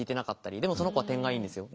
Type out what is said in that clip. でもその子は点がいいんですよ。